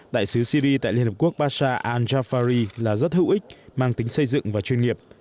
đại sứ syri tại liên hợp quốc pasha al jafari là rất hữu ích mang tính xây dựng và chuyên nghiệp